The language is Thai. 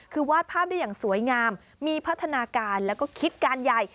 คือวาดภาพได้อย่างสวยงามมีพัฒนาการแล้วก็คิดการใหญ่